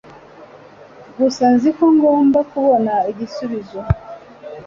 gusa nzi ko ngomba kubona igisubizo